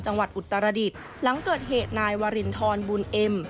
หลังเกิดเหตุนายวารินทรบุญเอ็ม